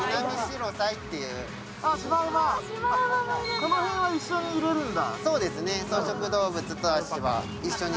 この辺は一緒にいれるんだ。